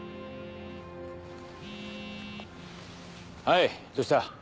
はいどうした？